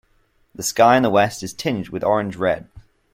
The sky in the west is tinged with orange red.